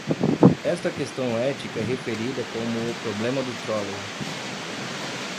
Esta questão ética é referida como o problema do trolley.